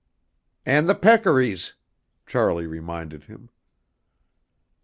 "And the peccaries," Charlie reminded him.